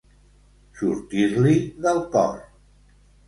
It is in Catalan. Sortir-li del cor.